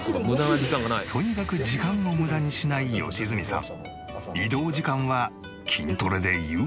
とにかく時間を無駄にしない良純さん。